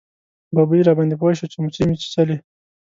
ببۍ راباندې پوه شوه چې موچۍ مې چیچلی.